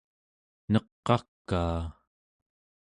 neq'akaa